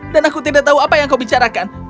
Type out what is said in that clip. dan aku tidak tahu apa yang kau bicarakan